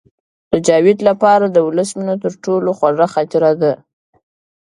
د جاوید لپاره د ولس مینه تر ټولو خوږه خاطره ده